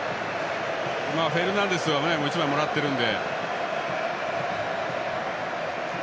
フェルナンデスはもう１枚もらっているので。